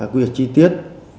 quy định chi tiết